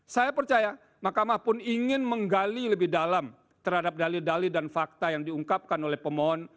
saya percaya mahkamah pun ingin menggali lebih dalam terhadap dalil dali dan fakta yang diungkapkan oleh pemohon